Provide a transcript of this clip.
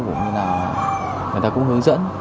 vậy là người ta cũng hướng dẫn